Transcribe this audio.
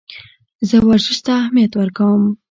زه ورزش ته اهمیت ورکوم.